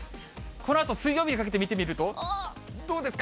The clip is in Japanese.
このあと水曜日にかけて見てみると、どうですか？